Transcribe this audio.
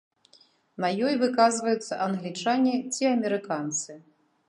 На ёй выказваюцца англічане ці амерыканцы.